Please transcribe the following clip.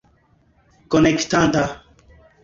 Konektanta